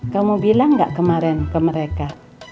kamu bilang gak kemarin ke mereka